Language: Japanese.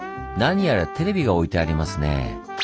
何やらテレビが置いてありますね。